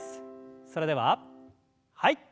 それでははい。